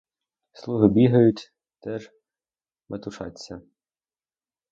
Слуги бігають, теж метушаться.